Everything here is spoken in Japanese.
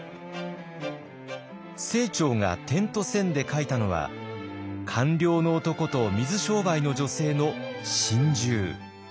清張が「点と線」で書いたのは官僚の男と水商売の女性の心中。